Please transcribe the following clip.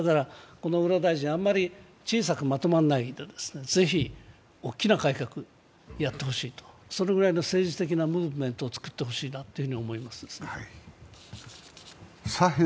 この小倉大臣、あまり小さくまとまらないで、ぜひ大きな改革をやってほしいと、そのぐらいの政治的なムーブメントを作ってほしいと思いますね。